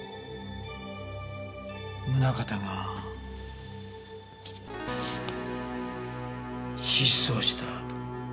宗形が失踪した。